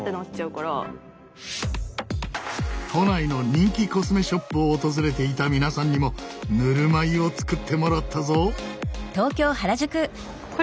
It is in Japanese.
都内の人気コスメショップを訪れていた皆さんにもぬるま湯を作ってもらったぞ。